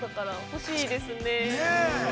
いいですね。